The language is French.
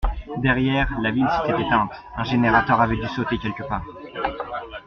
Derrière, la ville s’était éteinte: un générateur avait dû sauter quelque part.